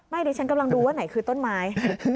ไม่เดี๋ยวฉันกำลังดูว่าไหนคือต้นไม้